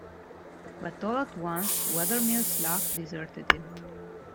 But all at once Wethermill's luck deserted him.